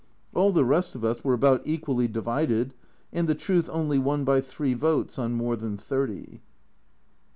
All the rest of us were about equally divided, and the truth only won by three votes on more than thirty.